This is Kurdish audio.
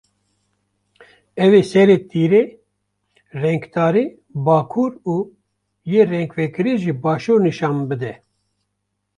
Ew ê serê tîrê rengtarî bakur û yê rengvekirî jî başûr nîşan bide.